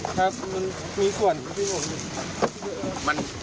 ครับมันมีส่วนที่ผมอยู่